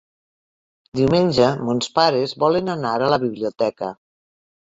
Diumenge mons pares volen anar a la biblioteca.